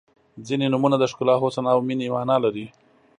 • ځینې نومونه د ښکلا، حسن او مینې معنا لري.